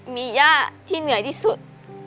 มีย่าที่เหนื่อยที่สุด